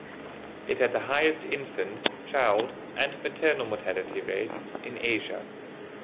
It had the highest infant, child and maternal mortality rates in Asia.